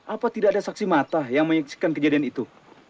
apa tidak ada saksi mata yang menyaksikan kejadian itu